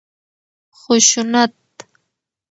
خشونت